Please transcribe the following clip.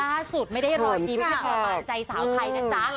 ลาสุดไม่ได้รอยยิ้มเซ็งว่ามาใจสาวใสนะจ๊ะ